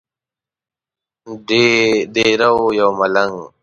دیره وو یو ملنګ.